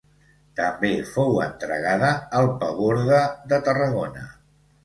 També fou entregada al Paborde de Tarragona.